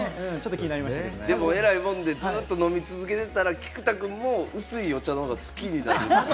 でも、偉いもんで、飲み続けてたら、菊田君も薄いお茶のほうが好きになる。